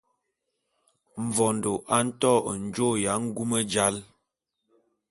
Mvondo a nto njôô ya ngume jal.